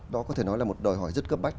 đó có thể nói là một đòi hỏi rất cấp bách